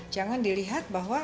jangan dilihat bahwa